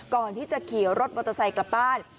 ก่อนที่จะขี่รถมอเตอร์ไซค์กลับบ้าน